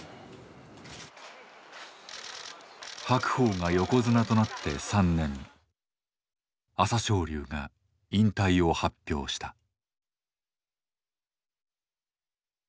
白鵬が横綱となって３年朝青龍が引退を発表した。